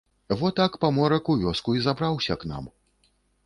Во так паморак у вёску і забраўся к нам.